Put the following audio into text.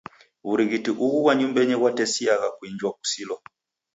W'urighiti ughu ghwa nyumbenyi ghwatesiagha kuinja kusilwa.